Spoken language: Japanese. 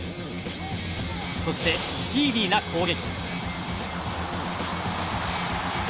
そして、スピーディーな攻撃。